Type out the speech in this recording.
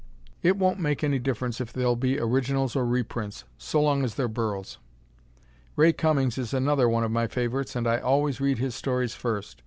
It won't make any difference if they'll be originals or reprints, so long as they're Burroughs! Ray Cummings is another one of my favorites and I always read his stories first.